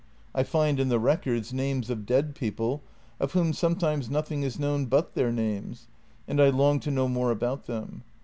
I find in the records names of dead people, of whom sometimes nothing is known but their names, and I long to know more about them.